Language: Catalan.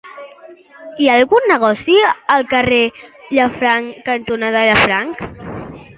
Hi ha algun negoci al carrer Llafranc cantonada Llafranc?